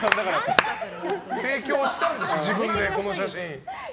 提供したんでしょ自分で、この写真。